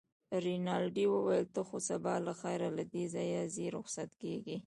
رینالډي وویل: ته خو سبا له خیره له دې ځایه ځې، رخصت کېږې.